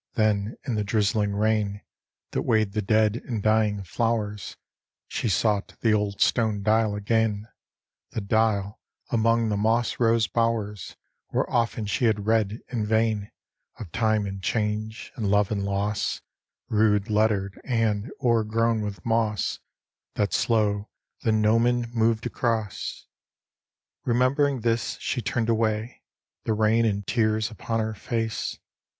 Then in the drizzling rain, That weighed the dead and dying flowers, She sought the old stone dial again; The dial, among the moss rose bowers, Where often she had read, in vain, Of time and change, and love and loss, Rude lettered and o'ergrown with moss, That slow the gnomon moved across. Remembering this, she turned away, The rain and tears upon her face.